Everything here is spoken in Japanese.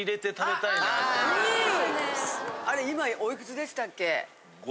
あれ今おいくつでしたっけ？